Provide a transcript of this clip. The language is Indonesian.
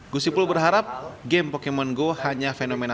gus ipul berharap game pokemon go hanya fenomena